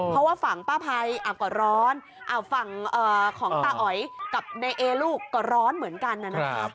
เพราะว่าฝั่งป้าภัยก็ร้อนฝั่งของตาอ๋อยกับนายเอลูกก็ร้อนเหมือนกันน่ะนะคะ